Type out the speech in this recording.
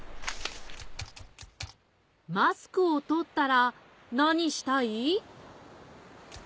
マスクをとったらなにしたい？